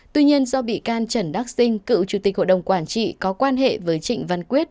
tuy nhiên do bị can trần đắc sinh cựu chủ tịch hội đồng quản trị có quan hệ với trịnh văn quyết